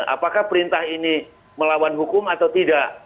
apakah perintah ini melawan hukum atau tidak